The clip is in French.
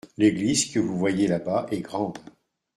L’église que vous voyez là-bas est grande.